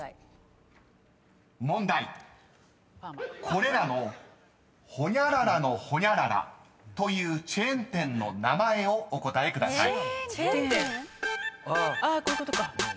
［これらのホニャララのホニャララというチェーン店の名前をお答えください］